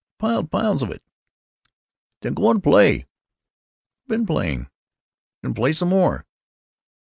"I piled piles of it." "Then you can go and play." "I been playing." "Then play some more."